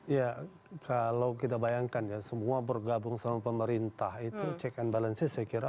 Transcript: ya kalau kita bayangkan ya semua bergabung sama pemerintah itu check and balance nya saya kira